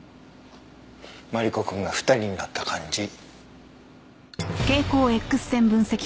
マリコ君が２人になった感じ。